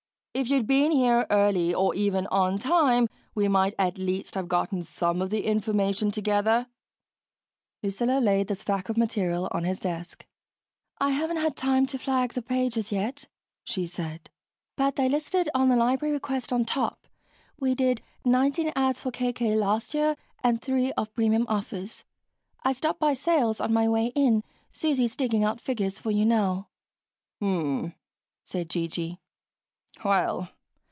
If you'd been here early or even on time we might at least have gotten some of the information together." Lucilla laid the stack of material on his desk. "I haven't had time to flag the pages yet," she said, "but they're listed on the library request on top. We did nineteen ads for KK last year and three of premium offers. I stopped by Sales on my way in Susie's digging out figures for you now." "Hm m m," said G.G. "Well.